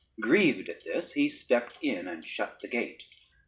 Grieved at this, he stepped in and shut the gate.